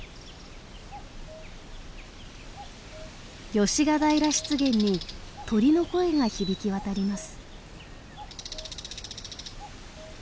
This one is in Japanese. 芳ヶ平湿原に鳥の声が響き渡ります。